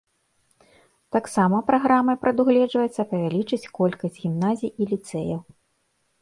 Таксама праграмай прадугледжваецца павялічыць колькасць гімназій і ліцэяў.